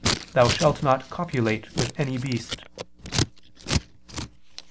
. thou shalt not copulate with any beast."